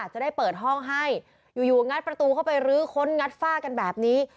จะได้เปิดห้องให้อยู่งัดประตูเข้าไปรื้อค้นงัดฝ้ากันแบบนี้